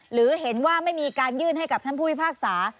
หรือเห็นว่าไม่มีการยื่นให้กับท่านผู้พิพากษา